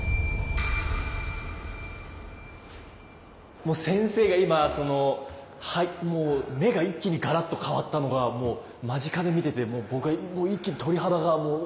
もう先生が今もう目が一気にガラッと変わったのがもう間近で見ててもう僕は一気に鳥肌がもうすごくて。